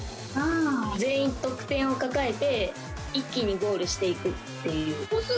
全員得点を抱えて一気にゴールしていくっていう。